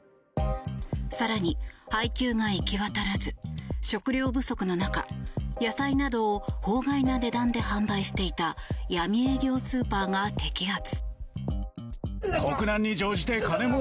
更に、配給が行き渡らず食料不足の中野菜などを法外な値段で販売していた闇営業スーパーが摘発。